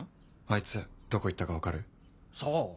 あいつどこ行ったか分かる？さあ？